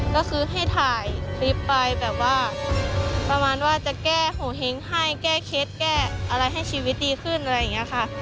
ก็คือให้ถ่ายคลิปไปแบบว่าประมาณว่าจะแก้โหเฮ้งให้แก้เคล็ดแก้อะไรให้ชีวิตดีขึ้นอะไรอย่างนี้ค่ะ